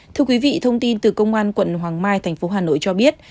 thưa quý vị thông tin từ công an quận hoàng mai tp hà nội cho biết